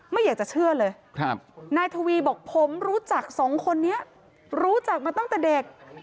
ไม่อยากจะเชื่อเลยนายทวีบอกผมรู้จักสองคนนี้รู้จักมาตั้งแต่เด็ก